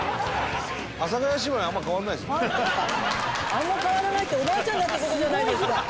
あんま変わらないっておばあちゃんだって事じゃないですか。